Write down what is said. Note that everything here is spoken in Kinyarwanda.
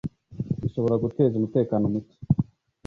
bishobora guteza umutekano muke